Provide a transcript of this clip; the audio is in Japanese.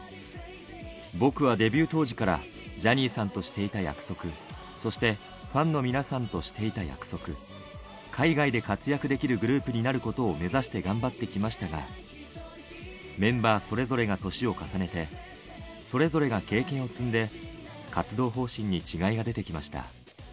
僕はデビュー当時から、ジャニーさんとしていた約束、そしてファンの皆さんとしていた約束、海外で活躍できるグループになることを目指して頑張ってきましたが、メンバーそれぞれが年を重ねて、それぞれが経験を積んで活動方針に違いが出てきました。